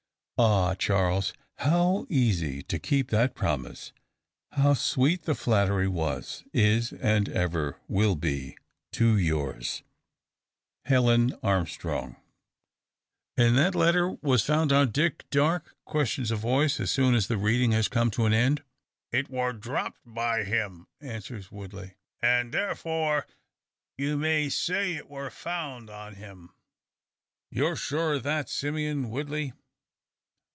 "Ah! Charles, how easy to keep that promise! How sweet the flattery was, is, and ever will be, to yours, "Helen Armstrong." "And that letter was found on Dick Darke?" questions a voice, as soon as the reading has come to an end. "It war dropped by him," answers Woodley; "and tharfor ye may say it war found on him." "You're sure of that, Simeon Woodley?"